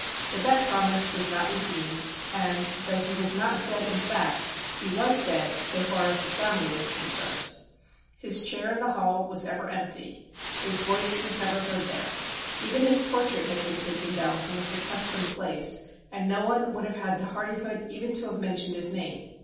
But that promise was not redeemed, and, though he was not dead in fact, he was dead so far as his family was con THE UNBIDDEN GUEST 107 cerned. His chair in the Hall was ever empty ; his voice was never heard there ; even his portrait had been taken down from its accustomed place, and no one would have had the hardihood even to have mentioned his name.